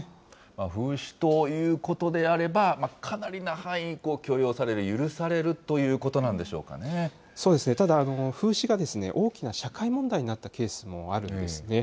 風刺ということであれば、かなりな範囲、許容される、そうですね、ただ風刺が大きな社会問題になったケースもあるんですね。